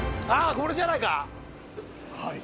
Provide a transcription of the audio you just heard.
これじゃないか？